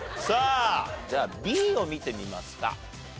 さあじゃあＢを見てみますか。